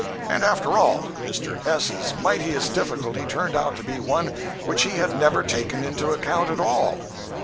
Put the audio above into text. And after all, Mr. S.'s mightiest difficulty turned out to be one which he had never taken into the account at all.